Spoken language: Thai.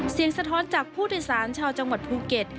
สะท้อนจากผู้โดยสารชาวจังหวัดภูเก็ต